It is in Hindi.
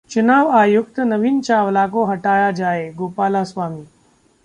चुनाव आयुक्त नवीन चावला को हटाया जाए: गोपालास्वामी